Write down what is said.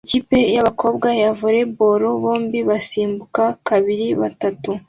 Ikipe y'abakobwa ya volley ball bombi basimbuka kabiri-batanu